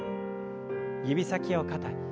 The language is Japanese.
指先を肩に。